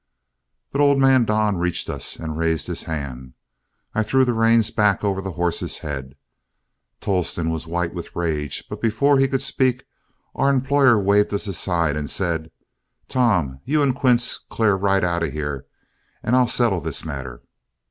But old man Don reached us, and raised his hand. I threw the reins back over the horse's head. Tolleston was white with rage, but before he could speak our employer waved us aside and said, "Tom, you and Quince clear right out of here and I'll settle this matter.